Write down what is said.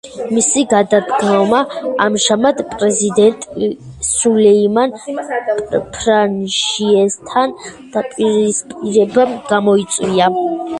მისი გადადგომა ამჟამად პრეზიდენტ სულეიმან ფრანჟიესთან დაპირისპირებამ გამოიწვია.